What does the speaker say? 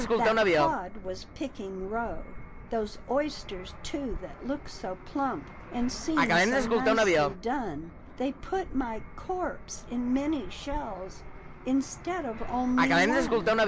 That Cod was picking roe! " Those oysters, too, that look so plump, And seem so nicely done. They put my corpse in many shells. Instead of only one.